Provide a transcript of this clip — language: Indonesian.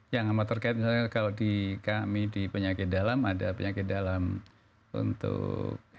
yang amat terkait misalnya kalau di kami di penyakit dalam ada penyakit dalam untuk